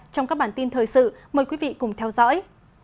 trong các bản tin thời sự mời quý vị cùng theo dõi